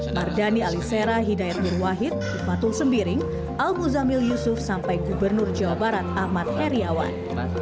mardani alisera hidayat nur wahid patung sembiring al muzamil yusuf sampai gubernur jawa barat ahmad heriawan